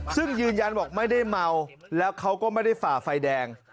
ซึ่งยืนยันบอกไม่ได้เมาแล้วเขาก็ไม่ได้ฝ่าไฟแดง